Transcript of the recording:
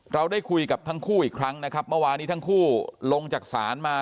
เราได้คุยกับทั้งคู่อีกครั้งมันวานนี้ทั้งคู่ลงจากสารมา